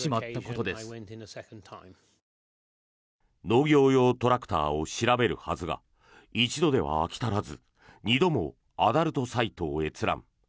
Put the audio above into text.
農業用トラクターを調べるはずが１度では飽き足らず２度もアダルトサイトを閲覧。